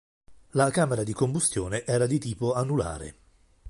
La camera di combustione era di tipo anulare.